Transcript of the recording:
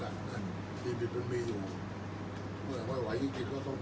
อันไหนที่มันไม่จริงแล้วอาจารย์อยากพูด